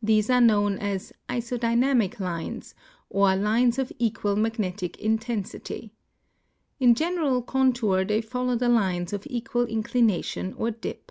These are known as isodynamic lines or lines of equal magnetic intensity. In general contour they follow the lines of equal inclination or dip.